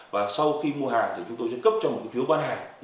và sau khi mua hàng thì chúng tôi sẽ cấp cho một cái phiếu bán hàng